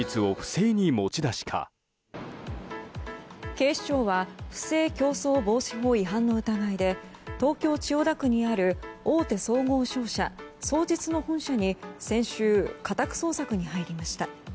警視庁は不正競争防止法違反の疑いで東京・千代田区にある大手総合商社、双日の本社に先週、家宅捜索に入りました。